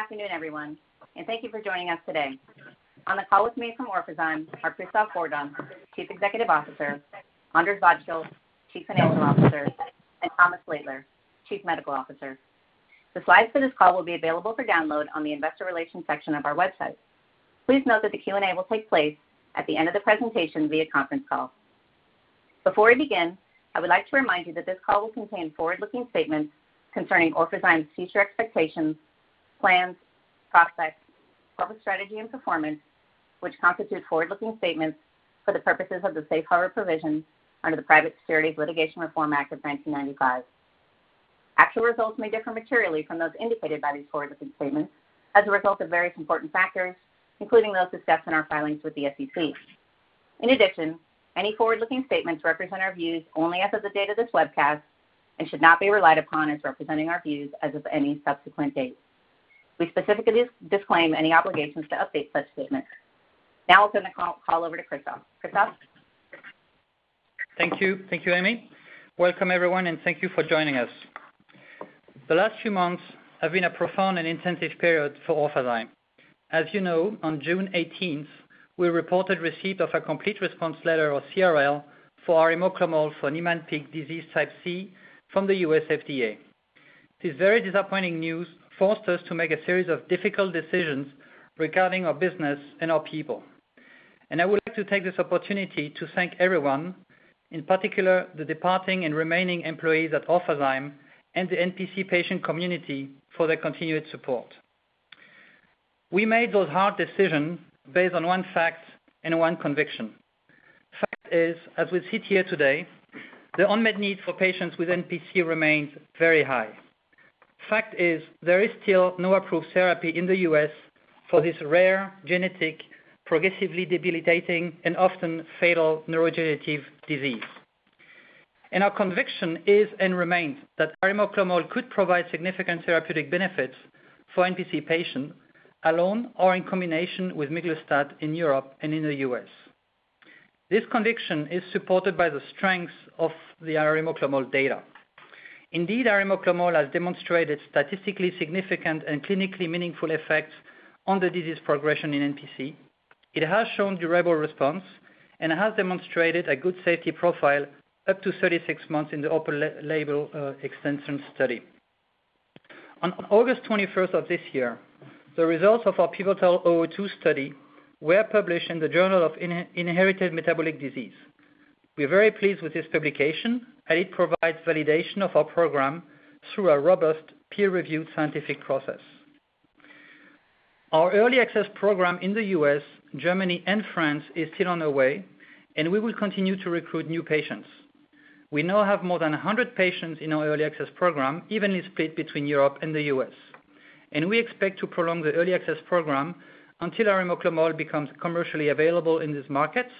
Good afternoon, everyone, and thank you for joining us today. On the call with me from Orphazyme are Christophe Bourdon, Chief Executive Officer, Anders Vadsholt, Chief Financial Officer, and Thomas Kindler, Chief Medical Officer. The slides for this call will be available for download on the investor relations section of our website. Please note that the Q&A will take place at the end of the presentation via conference call. Before we begin, I would like to remind you that this call will contain forward-looking statements concerning Orphazyme's future expectations, plans, prospects, public strategy, and performance, which constitute forward-looking statements for the purposes of the safe harbor provisions under the Private Securities Litigation Reform Act of 1995. Actual results may differ materially from those indicated by these forward-looking statements as a result of various important factors, including those discussed in our filings with the SEC. In addition, any forward-looking statements represent our views only as of the date of this webcast, and should not be relied upon as representing our views as of any subsequent date. We specifically disclaim any obligations to update such statements. Now I'll turn the call over to Christophe. Christophe? Thank you, Amy. Welcome everyone, and thank you for joining us. The last few months have been a profound and intensive period for Orphazyme. As you know, on June 18th, we reported receipt of a complete response letter, or CRL, for arimoclomol for Niemann-Pick disease type C from the U.S. FDA. This very disappointing news forced us to make a series of difficult decisions regarding our business and our people, and I would like to take this opportunity to thank everyone, in particular, the departing and remaining employees at Orphazyme and the NPC patient community for their continued support. We made those hard decisions based on one fact and one conviction. Fact is, as we sit here today, the unmet need for patients with NPC remains very high. Fact is, there is still no approved therapy in the U.S. for this rare genetic, progressively debilitating, and often fatal neurodegenerative disease. Our conviction is and remains that arimoclomol could provide significant therapeutic benefits for NPC patients, alone or in combination with miglustat in Europe and in the U.S. This conviction is supported by the strength of the arimoclomol data. Indeed, arimoclomol has demonstrated statistically significant and clinically meaningful effects on the disease progression in NPC. It has shown durable response and has demonstrated a good safety profile up to 36 months in the open label extension study. On August 21st of this year, the results of our pivotal 002 study were published in the Journal of Inherited Metabolic Disease. We're very pleased with this publication, and it provides validation of our program through a robust peer-reviewed scientific process. Our early access program in the U.S., Germany, and France is still on the way, and we will continue to recruit new patients. We now have more than 100 patients in our Early Access Program, evenly split between Europe and the U.S., we expect to prolong the Early Access Program until arimoclomol becomes commercially available in these markets,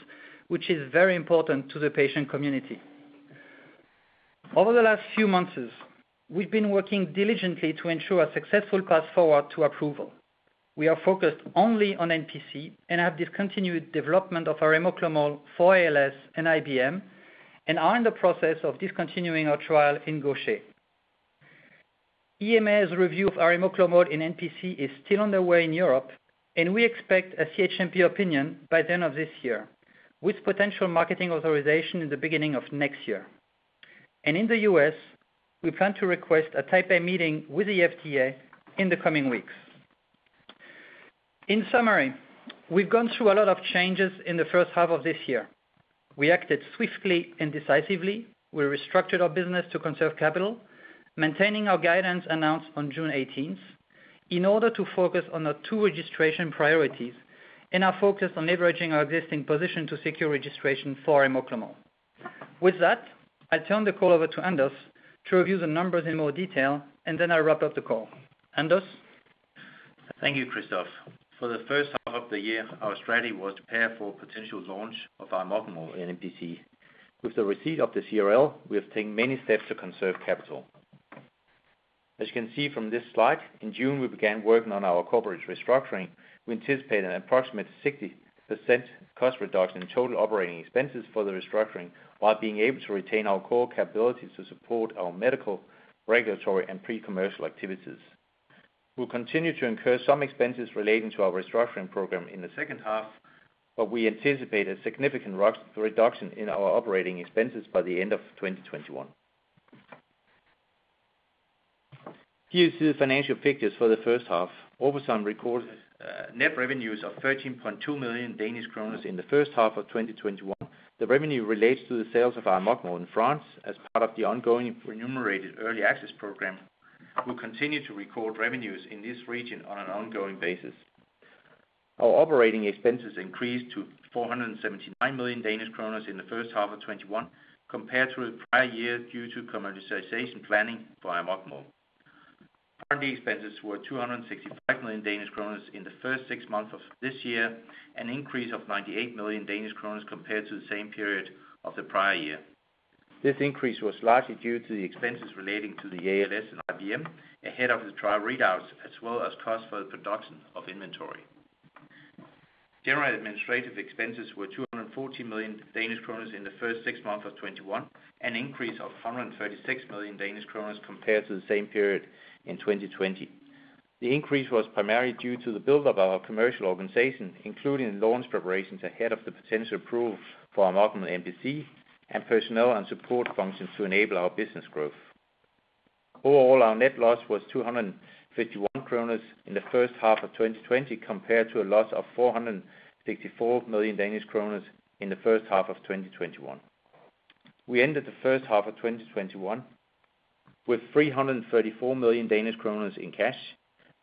which is very important to the patient community. Over the last few months, we've been working diligently to ensure a successful path forward to approval. We are focused only on NPC and have discontinued development of arimoclomol for ALS and IBM and are in the process of discontinuing our trial in Gaucher. EMA's review of arimoclomol in NPC is still underway in Europe, we expect a CHMP opinion by the end of this year, with potential marketing authorization in the beginning of next year. In the U.S., we plan to request a Type A meeting with the FDA in the coming weeks. In summary, we've gone through a lot of changes in the first half of this year. We acted swiftly and decisively. We restructured our business to conserve capital, maintaining our guidance announced on June 18th in order to focus on our two registration priorities and are focused on leveraging our existing position to secure registration for arimoclomol. With that, I turn the call over to Anders to review the numbers in more detail, and then I wrap up the call. Anders? Thank you, Christophe. For the first half of the year, our strategy was to prepare for potential launch of arimoclomol in NPC. With the receipt of the CRL, we have taken many steps to conserve capital. As you can see from this slide, in June, we began working on our corporate restructuring. We anticipate an approximate 60% cost reduction in total operating expenses for the restructuring, while being able to retain our core capabilities to support our medical, regulatory, and pre-commercial activities. We'll continue to incur some expenses relating to our restructuring program in the second half, but we anticipate a significant reduction in our operating expenses by the end of 2021. Here's the financial pictures for the first half. Orphazyme recorded net revenues of 13.2 million Danish kroner in the first half of 2021. The revenue relates to the sales of arimoclomol in France as part of the ongoing remunerated early access program. We'll continue to record revenues in this region on an ongoing basis. Our operating expenses increased to 479 million Danish kroner in the first half of 2021 compared to the prior year due to commercialization planning for arimoclomol. R&D expenses were 265 million Danish kroner in the first six months of this year, an increase of 98 million Danish kroner compared to the same period of the prior year. This increase was largely due to the expenses relating to the ALS and IBM ahead of the trial readouts, as well as cost for the production of inventory. General administrative expenses were 240 million Danish kroner in the first six months of 2021, an increase of 136 million Danish kroner compared to the same period in 2020. The increase was primarily due to the build-up of our commercial organization, including launch preparations ahead of the potential approval for our arimoclomol NPC and personnel and support functions to enable our business growth. Overall, our net loss was 251 kroner in the first half of 2020 compared to a loss of 464 million Danish kroner in the first half of 2021. We ended the first half of 2021 with 334 million Danish kroner in cash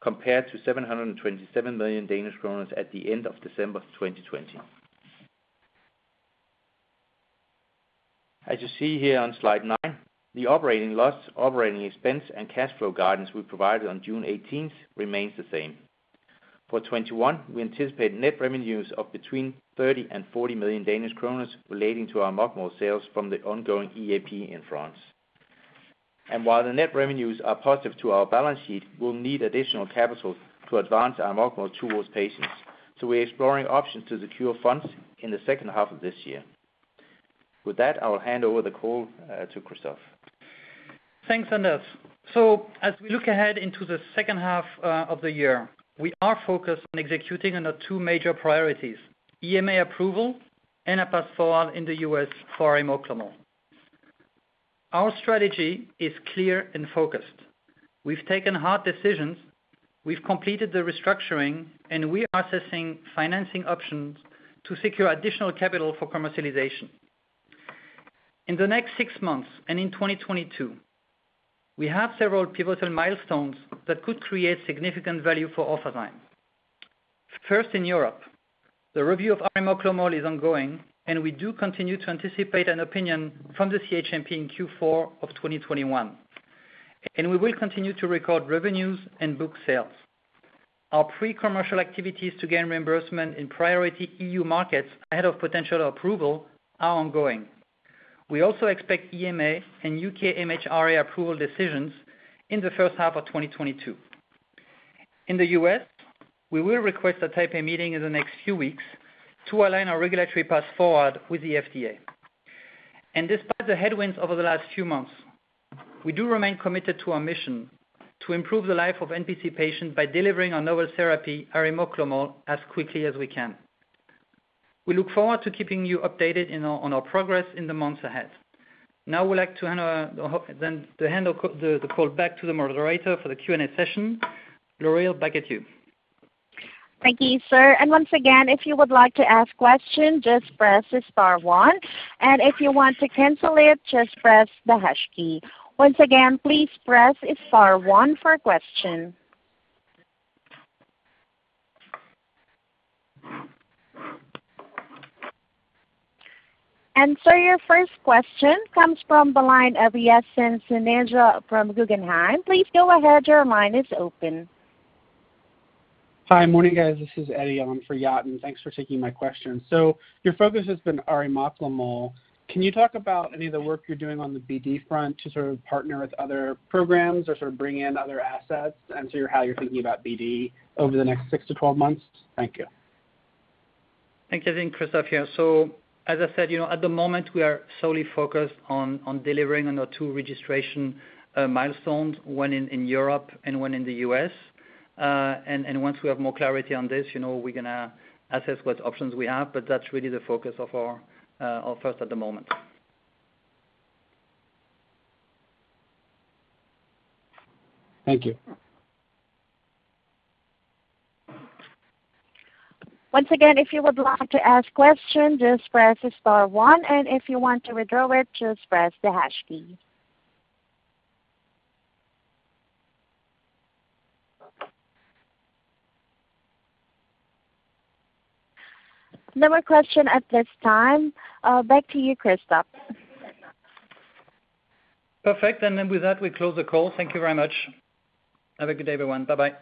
compared to 727 million Danish kroner at the end of December 2020. As you see here on slide nine, the operating loss, operating expense, and cash flow guidance we provided on June 18th remains the same. For 2021, we anticipate net revenues of between 30 million and 40 million Danish kroner relating to our arimoclomol sales from the ongoing EAP in France. While the net revenues are positive to our balance sheet, we'll need additional capital to advance arimoclomol to those patients. We're exploring options to secure funds in the second half of this year. With that, I will hand over the call to Christophe. Thanks, Anders. As we look ahead into the second half of the year, we are focused on executing on our two major priorities, EMA approval and a path forward in the U.S. for arimoclomol. Our strategy is clear and focused. We've taken hard decisions. We've completed the restructuring, and we are assessing financing options to secure additional capital for commercialization. In the next six months and in 2022, we have several pivotal milestones that could create significant value for Orphazyme. First, in Europe, the review of arimoclomol is ongoing, and we do continue to anticipate an opinion from the CHMP in Q4 of 2021. We will continue to record revenues and book sales. Our pre-commercial activities to gain reimbursement in priority EU markets ahead of potential approval are ongoing. We also expect EMA and UK MHRA approval decisions in the first half of 2022. In the U.S., we will request a Type A meeting in the next few weeks to align our regulatory path forward with the FDA. Despite the headwinds over the last few months, we do remain committed to our mission to improve the life of NPC patients by delivering our novel therapy, arimoclomol, as quickly as we can. We look forward to keeping you updated on our progress in the months ahead. Now I would like to hand the call back to the moderator for the Q&A session. Loreal, back at you. Thank you, sir. Once again, if you would like to ask question, just press star one, and if you want to cancel it, just press the hash key. Once again, please press star one for question. Sir, your first question comes from the line of Yatin Suneja from Guggenheim. Please go ahead. Your line is open. Hi. Morning, guys. This is Eddie. I'm for Yatin. Thanks for taking my question. Your focus has been arimoclomol. Can you talk about any of the work you're doing on the BD front to sort of partner with other programs or sort of bring in other assets and how you're thinking about BD over the next 6 to 12 months? Thank you. Thanks, Eddie. Christophe here. As I said, at the moment, we are solely focused on delivering on our two registration milestones, one in Europe and one in the U.S. Once we have more clarity on this, we're going to assess what options we have, that's really the focus of ours at the moment. Thank you. Once again, if you would like to ask question, just press star one, and if you want to withdraw it, just press the hash key. No more question at this time. Back to you, Christophe. Perfect. With that, we close the call. Thank you very much. Have a good day, everyone. Bye-bye.